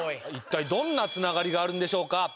一体どんなつながりがあるんでしょうか？